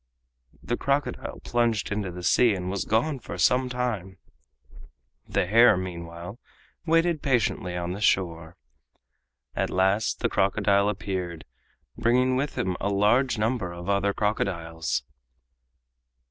The crocodile plunged into the sea and was gone for some time. The hare, meanwhile, waited patiently on the shore. At last the crocodile appeared, bringing with him a large number of other crocodiles.